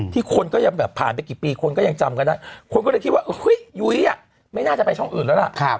คนก็ยังแบบผ่านไปกี่ปีคนก็ยังจำกันได้คนก็เลยคิดว่าเฮ้ยยุ้ยไม่น่าจะไปช่องอื่นแล้วล่ะ